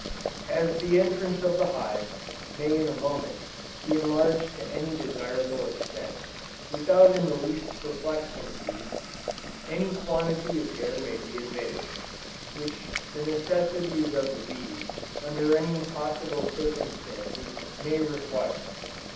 As the entrance of the hive, may in a moment, be enlarged to any desirable extent, without in the least perplexing the bees, any quantity of air may be admitted, which the necessities of the bees, under any possible circumstances, may require.